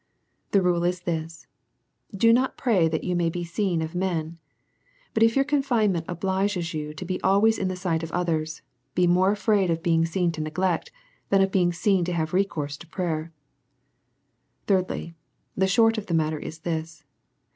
The rule is this ; Don't pray that you may be seen of men, but if your confinement obliges you to be al ways in the sight of others, be more afraid of being seen to neglect, than of being seen to have recourse to prayer. Thirdli/, The state of the matter is this.